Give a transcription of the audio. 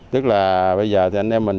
tức là bây giờ thì anh em mình